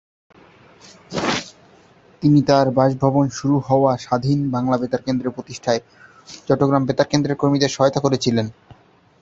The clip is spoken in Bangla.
তিনি তার বাসভবনে শুরু হওয়া স্বাধীন বাংলা বেতার কেন্দ্র প্রতিষ্ঠায় চট্টগ্রাম বেতার কেন্দ্রের কর্মীদের সহায়তা করেছিলেন।